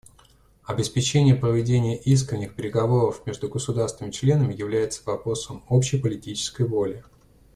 Обеспечение проведения искренних переговоров между государствами-членами является вопросом общей политической воли.